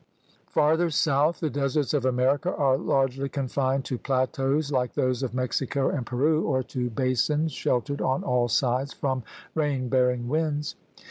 Farther south the deserts of America are largely confined to plateaus like those of Mexico and Peru or to basins sheltered on all sides from rain bearing winds.